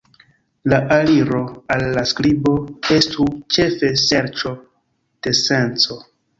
La aliro al la skribo estu ĉefe serĉo de senco.